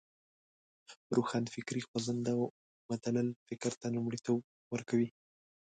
روښانفکري خوځنده او مدلل فکر ته لومړیتوب ورکوی.